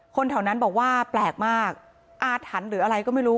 คนแถวนั้นบอกว่าแปลกมากอาถรรพ์หรืออะไรก็ไม่รู้